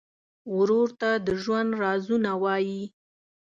ورور ته د ژوند رازونه وایې.